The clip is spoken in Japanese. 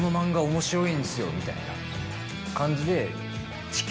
みたいな感じで。